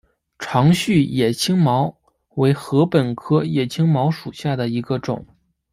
长序野青茅为禾本科野青茅属下的一个种。